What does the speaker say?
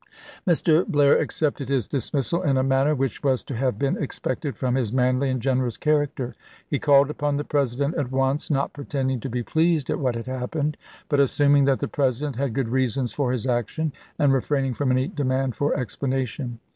Mr. Blair accepted his dismissal in a manner which was to have been expected from his manly and generous character. He called upon the Pres ident at once, not pretending to be pleased at what had happened, but assuming that the President had good reasons for his action, and refraining from any demand for explanation.